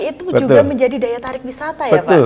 itu juga menjadi daya tarik wisata ya pak